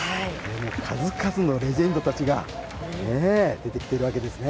数々のレジェンドたちが出てきてるわけですね。